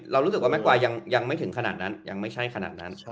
รู้สึกว่าแม่งกวายังไม่ถึงขนาดนั้นยังไม่ใช่ขนาดนั้น